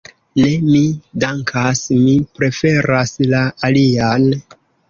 Ne, mi dankas, mi preferas la alian.